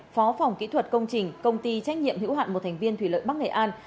phó phòng kỹ thuật công trình công ty trách nhiệm hữu hạn một thành viên thủy lợi bắc nghệ an